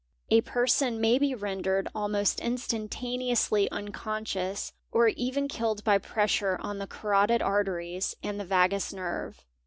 A person may be rendered almost instantaneously unconscious or even killed by pressure on the carotid arteries and the vagus nerve.